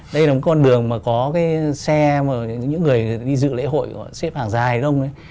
đây là một con đường mà có xe những người đi dự lễ hội xếp hàng dài đông